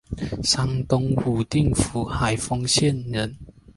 山东武定府海丰县人。